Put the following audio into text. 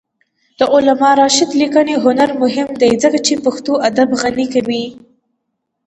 د علامه رشاد لیکنی هنر مهم دی ځکه چې پښتو ادب غني کوي.